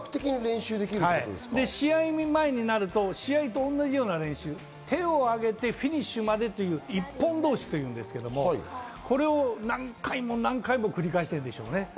試合前になると、試合と同じような練習、手を上げて、フィニッシュまで一本通しというんですが、これを何回も何回も繰り返すんです。